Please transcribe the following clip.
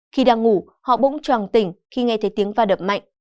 khi đang ngủ họ bỗng tròn tỉnh khi nghe thấy tiếng va đập mạnh